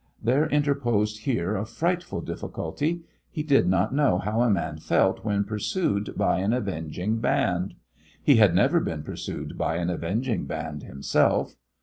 There interposed here a frightful difficulty. He did not know how a man felt when pursued by an avenging band. He had never been pursued by an avenging band himself.